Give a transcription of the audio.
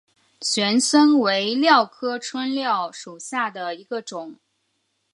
拳参为蓼科春蓼属下的一个种。